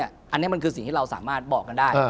อันนี้มันคือสิ่งที่เราสามารถบอกกันได้